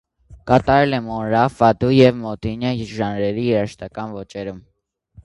Կատարել է մորնա, ֆադու և մոդինյա ժանրերի երաժշտական ոճերում։